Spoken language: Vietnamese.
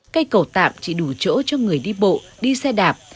cây cầu tạm chỉ đủ chỗ cho người đi bộ đi xe đạp